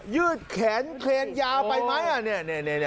ยืดแขนเครนยาวไปไหม